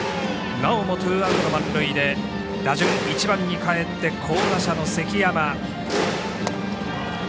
なおもツーアウト、満塁で打順、１番にかえって好打者の関山。